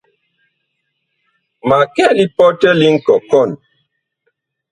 Ma kɛ lipɔtɛ li nkɔkɔn.